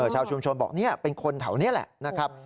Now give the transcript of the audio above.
ชาวชุมชนบอกเป็นคนเท่านี้แหละ